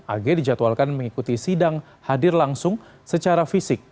ag dijadwalkan mengikuti sidang hadir langsung secara fisik